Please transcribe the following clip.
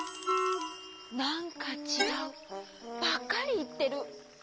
「なんかちがう」ばっかりいってる。